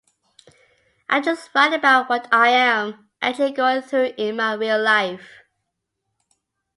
I just write about what I am actually going through in my real life.